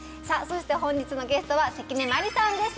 そして本日のゲストは関根麻里さんです